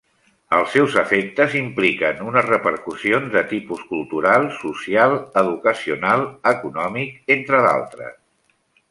Els seus efectes impliquen unes repercussions de tipus cultural, social, educacional, econòmic, entre d'altres.